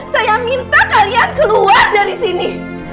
saya minta kalian keluar dari sini